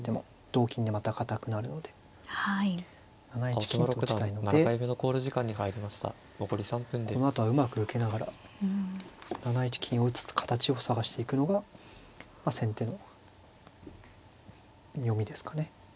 ７一金と打ちたいのでこのあとはうまく受けながら７一金を打つ形を探していくのが先手の読みですかね。